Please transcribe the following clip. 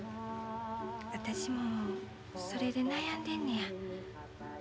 私もそれで悩んでんねや。